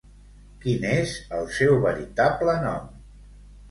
Quin és el seu veritable nom?